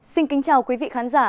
xin kính chào quý vị khán giả